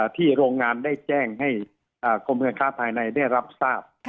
โรงงานได้แจ้งให้กรมการค้าภายในได้รับทราบ